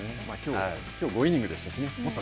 きょう、５イニングスでしたしね。